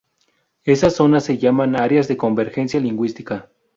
Esas zonas se llaman áreas de convergencia lingüística.